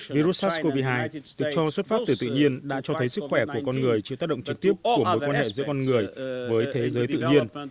virus sars cov hai được cho xuất phát từ tự nhiên đã cho thấy sức khỏe của con người chịu tác động trực tiếp của mối quan hệ giữa con người với thế giới tự nhiên